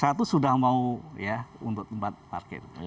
satu sudah mau ya untuk tempat parkir